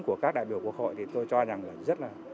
của các đại biểu quốc hội thì tôi cho rằng là